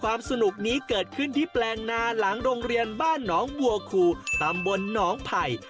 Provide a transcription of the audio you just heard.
สนุกนี้เกิดขึ้นที่แปลงนาหลังโรงเรียนบ้านหนองบัวคูตำบลหนองไผ่